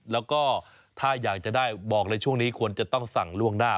แล้วก็ถ้าอยากจะได้บอกเลยช่วงนี้ควรจะต้องสั่งล่วงหน้า